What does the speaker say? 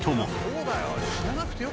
そうだよ！